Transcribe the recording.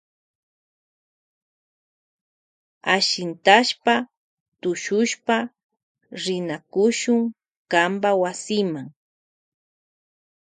Ashintashpa tushushpa rinakushun kanpa wasima.